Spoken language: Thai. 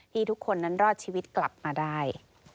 ทุกคนนั้นรอดชีวิตกลับมาได้